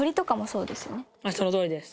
そのとおりです！